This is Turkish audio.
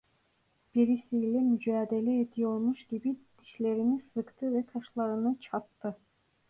Birisiyle mücadele ediyormuş gibi dişlerini sıktı ve kaşlarını çattı.